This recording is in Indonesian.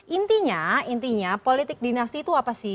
intinya intinya politik dinasti itu apa sih